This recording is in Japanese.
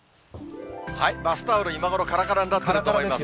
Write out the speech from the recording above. バスタオル、今頃、からからになってると思います。